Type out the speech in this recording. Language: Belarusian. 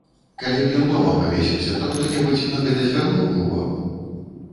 Калі б ён дома павесіўся, то хто-небудзь на гэта звярнуў бы ўвагу?